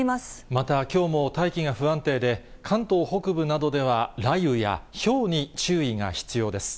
またきょうも大気が不安定で、関東北部などでは雷雨やひょうに注意が必要です。